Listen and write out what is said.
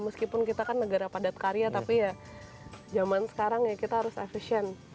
meskipun kita kan negara padat karya tapi ya zaman sekarang ya kita harus efisien